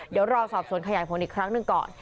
เดี๋ยวรอสอบสวนขยายผลอีกครั้งหนึ่งก่อน